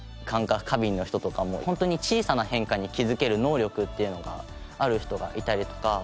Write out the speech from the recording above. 感覚過敏の人とかもホントに小さな変化に気づける能力っていうのがある人がいたりとか。